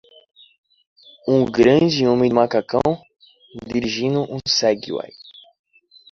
Um grande homem de macacão? dirigindo um Segway.